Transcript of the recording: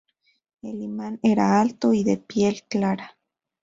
El Imán era alto y de piel clara.